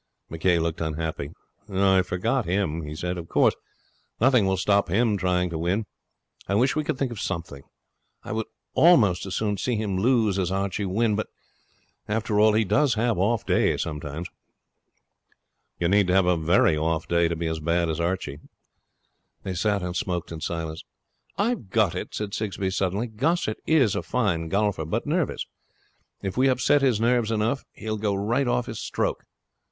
McCay looked unhappy. 'I forgot him,' he said. 'Of course, nothing will stop him trying to win. I wish we could think of something. I would almost as soon see him lose as Archie win. But, after all, he does have off days sometimes.' 'You need to have a very off day to be as bad as Archie.' They sat and smoked in silence. 'I've got it,' said Sigsbee suddenly. 'Gossett is a fine golfer, but nervous. If we upset his nerves enough, he will go right off his stroke.